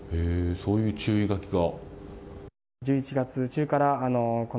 そういう注意書きが。